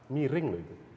miring loh itu